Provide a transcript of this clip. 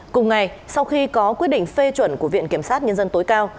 cùng ngày sau khi có quyết định phê chuẩn của viện kiểm sát nhân dân tối cao